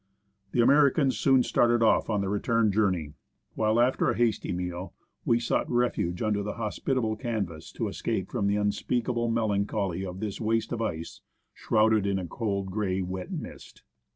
The Americans soon started off on their return journey ; while after a hasty meal, we sought refuge under the hospitable canvas to escape from the unspeakable melancholy of this waste of ice shrouded in cold grey wet mist.